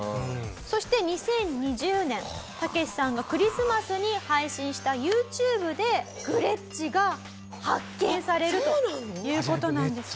そして２０２０年タケシさんがクリスマスに配信したＹｏｕＴｕｂｅでグレッチが発見されるという事なんです。